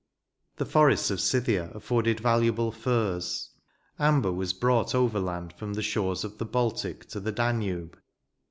The forests of Scythia afforded valuable fiirs. Amber was brought overland from the shores of the Baltic to the Danube.